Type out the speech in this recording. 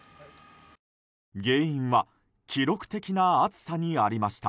原因は記録的な暑さにありました。